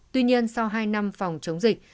tuy nhiên sau hai năm phòng chống dịch